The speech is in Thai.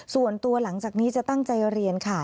ส่วนตัวหลังจากนี้จะตั้งใจเรียนค่ะ